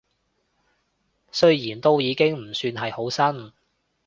雖然都已經唔算係好新